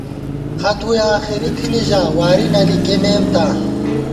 خط وُوئی آخری تھنی ژا، وارِی نہ لِکِمېم تاں